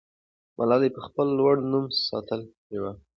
ملالۍ به خپل لوړ نوم ساتلی وي.